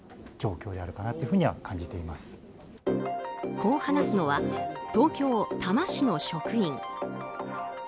こう話すのは東京・多摩市の職員。